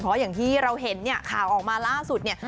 เพราะอย่างที่เราเห็นเนี่ยข่าวออกมาล่าสุดเนี่ย